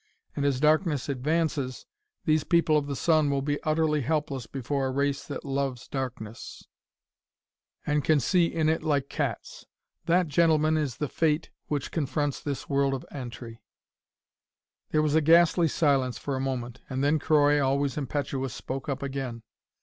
And as darkness advances, these people of the sun will be utterly helpless before a race that loves darkness, and can see in it like cats. That, gentlemen, is that fate which confronts this world of Antri!" There was a ghastly silence for a moment, and then Croy, always impetuous, spoke up again.